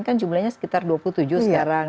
kan jumlahnya sekitar dua puluh tujuh sekarang